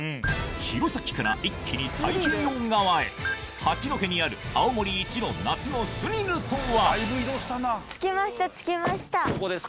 弘前から一気に太平洋側へ八戸にある青森いちの夏のスリルとは？